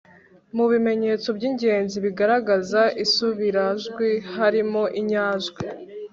mu bimenyetso by'ingenzi bigaragaza isubirajwi harimoinyajwi